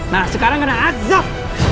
nah sekarang kena azab